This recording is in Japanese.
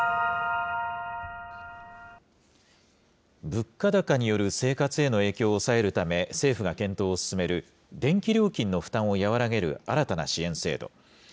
物価高による生活への影響を抑えるため政府が検討を進める、電気料金の負担を和らげる新たな支援制度。